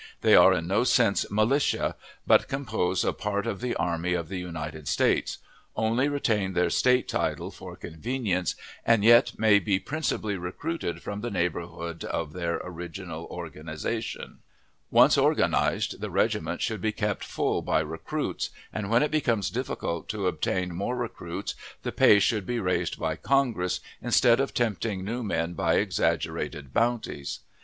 They are in no sense "militia," but compose a part of the Army of the United States, only retain their State title for convenience, and yet may be principally recruited from the neighborhood of their original organization: Once organized, the regiment should be kept full by recruits, and when it becomes difficult to obtain more recruits the pay should be raised by Congress, instead of tempting new men by exaggerated bounties.